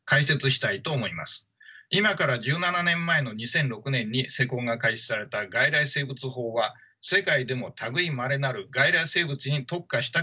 今から１７年前の２００６年に施行が開始された外来生物法は世界でも類いまれなる外来生物に特化した国の法律です。